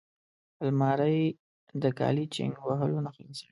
الماري د کالي چینګ وهلو نه خلاصوي